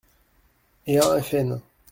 et un f.n.